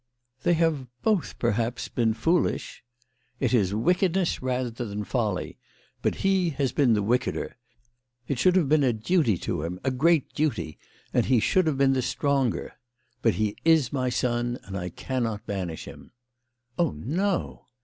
"They have both, perhaps, been foolish." "It is wickedness rather than folly. But he has been the wickeder. It should have been a duty to THE LADY OF LAUNAY. 143 him, a great duty, and lie should have been the stronger. But he is my son, and I cannot banish him/' "Oh, no!"